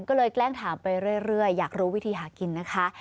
ก็เลยแกล้งถามไปเรื่อยอยากรู้วิธีหากินนะคะ